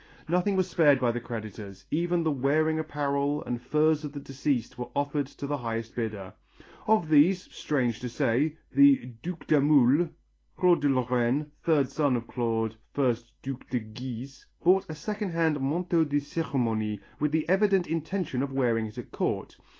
Nothing was spared by the creditors, even the wearing apparel and furs of the deceased were offered to the highest bidder. Of these, strange to say, the Duke d'Aumule (Claude de Lorrain, third son of Claude, first Duc de Guise) bought a second hand manteau de cerimonie with the evident intention of wearing it at Court.